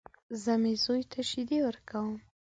زه مې زوی ته شيدې ورکوم.